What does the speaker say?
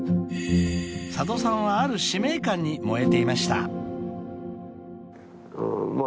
［佐渡さんはある使命感に燃えていました］